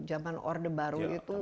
zaman orde baru itu